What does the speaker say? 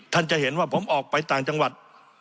จะเห็นว่าผมออกไปต่างจังหวัด